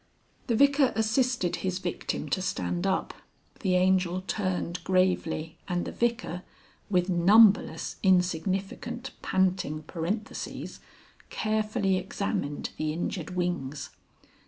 The Vicar assisted his victim to stand up. The Angel turned gravely and the Vicar, with numberless insignificant panting parentheses, carefully examined the injured wings.